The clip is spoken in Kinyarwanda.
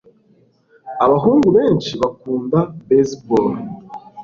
abahungu benshi bakunda baseball